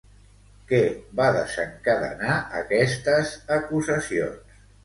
Què va desencadenar aquestes acusacions?